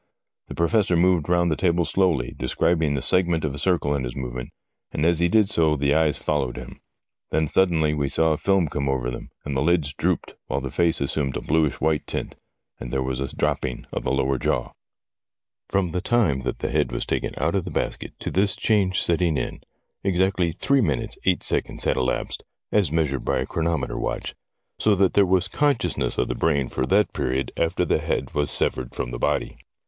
The Professor moved round the table slowly, describing the segment of a circle in his movement, and as he did so the eyes followed him. Then suddenly we saw a film come over them, and the lids drooped, while the face assumed a bluish white tint, and there was a dropping of the lower jaw. From the time that the head was taken out of the basket to this change setting in, exactly three minutes eight seconds had elapsed, as measured by a chronometer watch, so that there was consciousness of the brain for that period after the SOME J EXPERIMENTS WITH A HEAD 77 head was severed from the body.